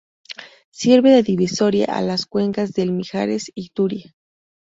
Sirve de divisoria a las cuencas del Mijares y Turia.